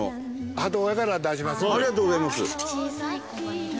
ありがとうございます。